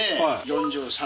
４３。